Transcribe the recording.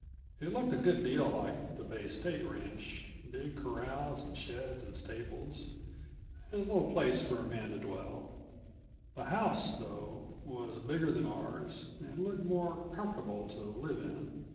It looked a good deal like the Bay State Ranch big corrals and sheds and stables, and little place for man to dwell. The house, though, was bigger than ours, and looked more comfortable to live in.